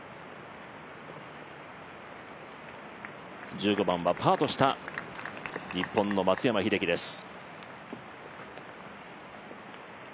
１５番はパーとした日本の松山英樹です。